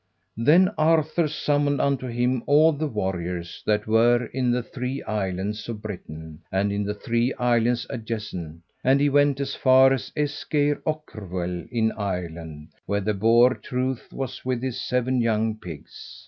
Then Arthur summoned unto him all the warriors that were in the three islands of Britain and in the three islands adjacent; and he went as far as Esgeir Ocrvel in Ireland where the Boar Truith was with his seven young pigs.